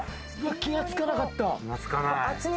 気がつかなかった。